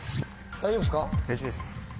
大丈夫です。